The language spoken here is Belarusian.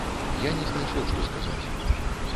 Я не знайшоў, што сказаць.